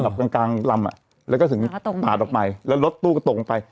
กลางกลางลำอ่ะแล้วก็ถึงปาดออกไปแล้วรถตู้ก็ตกลงไป